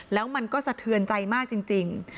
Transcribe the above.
แล้วมันก็สะเทือนใจมากจริง